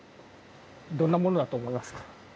どんなものだと思いますか？